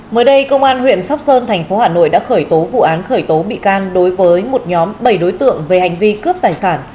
mới đây công an huyện sóc sơn thành phố hà nội đã khởi tố vụ án khởi tố bị can đối với một nhóm bảy đối tượng về hành vi cướp tài sản